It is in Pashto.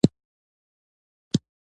ډېر فرصتونه به ترلاسه کړئ .